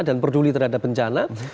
dan peduli terhadap bencana